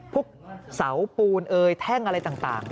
พวกเสาปูนเอ่ยแท่งอะไรต่าง